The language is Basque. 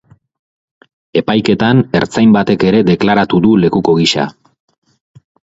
Epaiketan ertzain batek ere deklaratu du lekuko gisa.